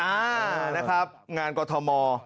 อ่านะครับงานกรทม